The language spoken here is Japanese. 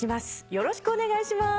よろしくお願いします。